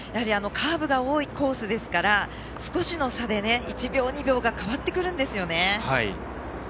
カーブが多いコースですから少しの差で１秒、２秒変わってくるんですよね。